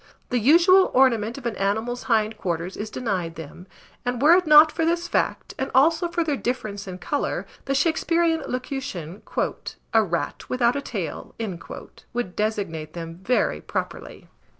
The usual ornament of an animal's hind quarters is denied them; and were it not for this fact, and also for their difference in colour, the Shaksperean locution, "a rat without a tail," would designate them very properly.